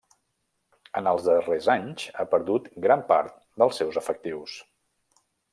En els darrers anys ha perdut gran part dels seus efectius.